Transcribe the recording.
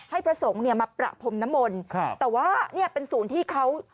ให้พระสงฆ์มาประพรมน้ำมนต์แต่ว่าเนี่ยเป็นศูนย์ที่เขา